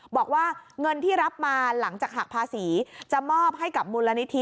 บอกว่าเงินที่รับมาหลังจากหักภาษีจะมอบให้กับมูลนิธิ